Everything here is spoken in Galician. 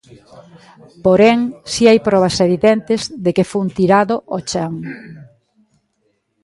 Porén, si hai probas evidentes de que fun tirado ao chan.